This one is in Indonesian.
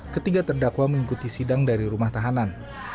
ketiga terdakwa mengikuti sidang dari rumah tahanan